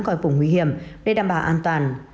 khỏi vùng nguy hiểm để đảm bảo an toàn